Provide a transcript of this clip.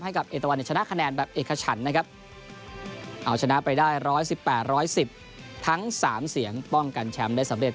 เอตะวันเนี่ยชนะคะแนนแบบเอกฉันนะครับเอาชนะไปได้๑๑๘๑๑๐ทั้ง๓เสียงป้องกันแชมป์ได้สำเร็